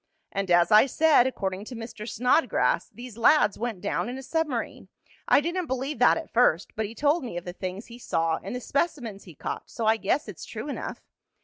"And, as I said, according to Mr. Snodgrass, these lads went down in a submarine. I didn't believe that at first, but he told me of the things he saw and the specimens he caught, so I guess it's true enough.